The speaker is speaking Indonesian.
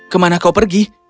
kemana kau pergi